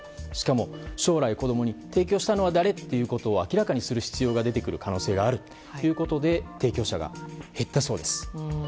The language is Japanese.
しかも将来子供に提供したのは誰というのを明らかにする必要が出てくる可能性があるということで提供者が減ったそうです。